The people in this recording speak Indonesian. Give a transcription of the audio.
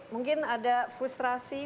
mungkin ada frustrasi